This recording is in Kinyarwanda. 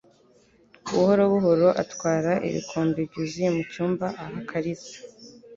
Buhorobuhoro atwara ibikombe byuzuye mucyumba, aha Kalisa.